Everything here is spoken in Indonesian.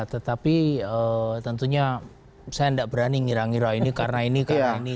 tetapi tentunya saya tidak berani ngira ngira ini karena ini karena ini